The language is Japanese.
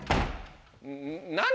何？